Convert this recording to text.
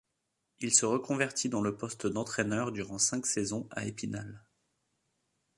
Il se reconvertit dans le poste d'entraineur durant cinq saisons à Épinal.